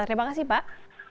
terima kasih pak